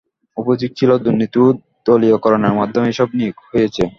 অভিযোগ ছিল, দুর্নীতি ও দলীয়করণের মাধ্যমে এসব নিয়োগ হয়েছে।